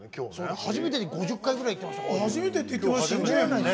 初めてで５０回ぐらいいきましたから。